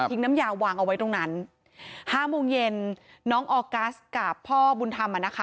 น้ำยาวางเอาไว้ตรงนั้นห้าโมงเย็นน้องออกัสกับพ่อบุญธรรมอ่ะนะคะ